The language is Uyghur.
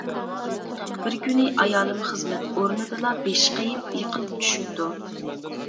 بىر كۈنى ئايالىم خىزمەت ئورنىدىلا بېشى قېيىپ يىقىلىپ چۈشۈپتۇ.